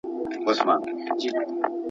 زه به سبا شګه پاکوم.